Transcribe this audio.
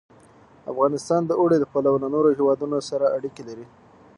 افغانستان د اوړي له پلوه له نورو هېوادونو سره اړیکې لري.